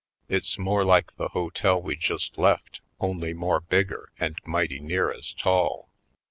It's more like the hotel we just left only more bigger and mighty near as tall.